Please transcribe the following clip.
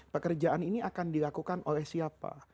pekerjaan ini akan dilakukan oleh siapa